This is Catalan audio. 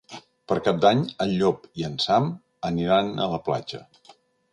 Per Cap d'Any en Llop i en Sam aniran a la platja.